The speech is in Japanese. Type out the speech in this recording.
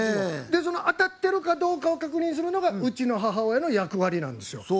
その当たってるかどうかを確認するのがうちの母親の役割なんですよ。